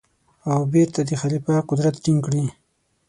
او بېرته د خلیفه قدرت ټینګ کړي.